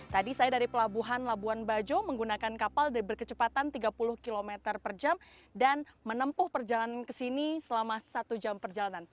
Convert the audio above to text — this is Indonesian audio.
tadi saya dari pelabuhan labuan bajo menggunakan kapal dari berkecepatan tiga puluh km per jam dan menempuh perjalanan ke sini selama satu jam perjalanan